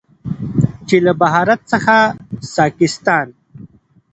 چې له بهارت څخه ساکستان،